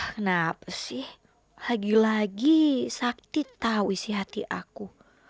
kenapa sih lagi lagi sakti tahu isi hati aku